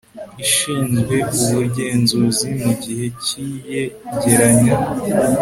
ishinzwe ubugenzuzi mu gihe cy iyegeranya